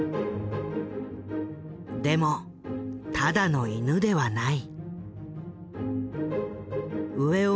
でもただの犬ではない。